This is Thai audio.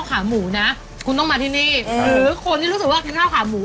ของหนูจะเป็นก๋วยจั๊บ